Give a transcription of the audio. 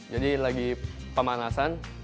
jadi lagi pemanasan